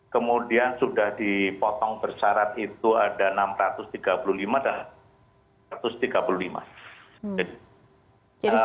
kemudian sudah dipotong bersyarat itu ada enam ratus tiga puluh lima dan satu ratus tiga puluh lima